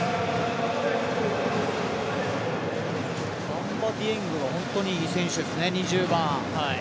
バンバ・ディエングが本当にいい選手ですね、２０番。